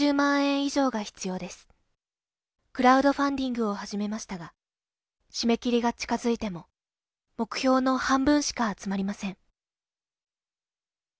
クラウドファンディングを始めましたが締め切りが近づいても目標の半分しか集まりません。